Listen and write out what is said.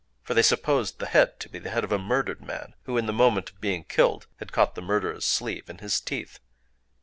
For they supposed the head to be the head of a murdered man who, in the moment of being killed, had caught the murderer's sleeve in his teeth.